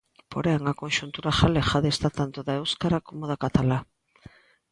Porén, a conxuntura galega dista tanto da éuscara como da catalá.